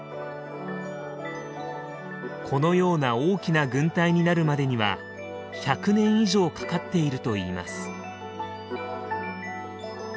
このような大きな群体になるまでには１００年以上かかっているといいます。